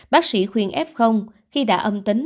bác sĩ khuyên f khi đã âm tính